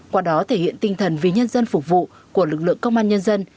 qua đó thể hiện tinh thần vì nhân dân phục vụ của lực lượng công an nhân dân